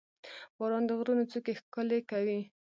• باران د غرونو څوکې ښکلې کوي.